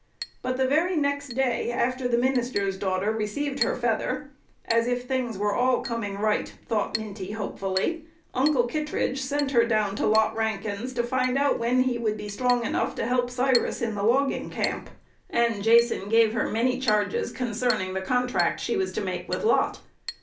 But the very next day after the minister's daughter received her feather as if things were all coming right, thought Minty hopefully Uncle Kittredge sent her down to Lot Rankin's to find out when he would be strong enough to help Cyrus in the logging camp; and Jason gave her many charges concerning the contract she was to make with Lot.